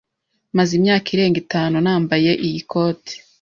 Maze imyaka irenga itanu nambaye iyi koti.